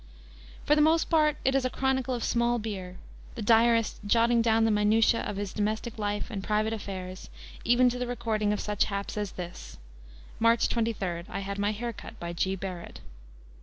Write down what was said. For the most part it is a chronicle of small beer, the diarist jotting down the minutiae of his domestic life and private affairs, even to the recording of such haps as this: "March 23, I had my hair cut by G. Barret."